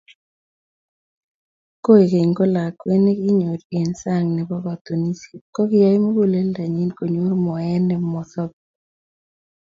Koigeny ko lakwet nekinyor eng sang nebo katunisiet kokiyai muguleldonyi konyor moet nemosobei